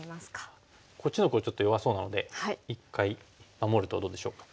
こっちのほうちょっと弱そうなので一回守るとどうでしょうか？